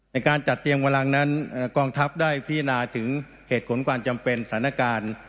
ในการจัดเตียงเวลานั้นกองทัพได้พิจารณาถึงเหตุผลความจำเป็นสถานการณ์